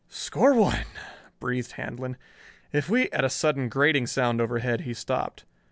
"Score one," breathed Handlon. "If we " At a sudden grating sound overhead, he stopped.